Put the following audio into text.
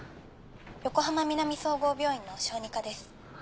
横浜南総合病院の小児科です。